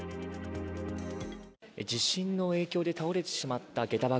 地震の影響で倒れてしまったげた箱。